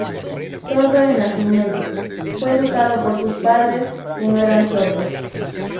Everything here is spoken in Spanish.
Sordo de nacimiento, fue educado por sus padres, que no eran sordos.